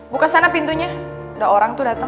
buka sana pintunya udah orang tuh datang